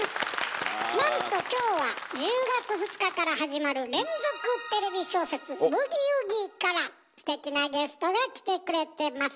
なんと今日は１０月２日から始まる連続テレビ小説「ブギウギ」からステキなゲストが来てくれてます。